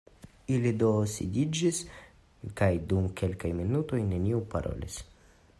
Ili do sidiĝis, kaj dum kelkaj minutoj neniu parolis.